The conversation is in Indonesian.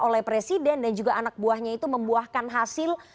oleh presiden dan juga anak buahnya itu membuahkan hasil